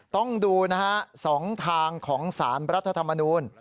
ต้องดูนะฮะ๒ทางของสารรัฐธรรมนูล